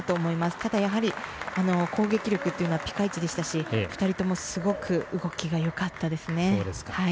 ただ、やはり、攻撃力というのはピカイチでしたし２人とも、すごく動きがよかったですね。